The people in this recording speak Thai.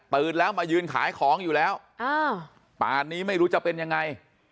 แล้วมายืนขายของอยู่แล้วป่านนี้ไม่รู้จะเป็นยังไง